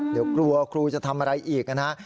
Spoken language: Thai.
เดี๋ยวกลัวครูจะทำอะไรอีกนะฮะ